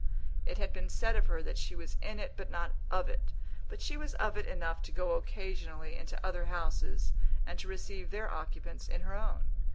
It had been said of her that she was in it but not of it; but she was of it enough to go occasionally into other houses and to receive their occupants in her own.